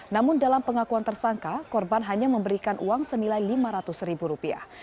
namun dalam pengakuan tersangka korban hanya memberikan uang senilai lima ratus ribu rupiah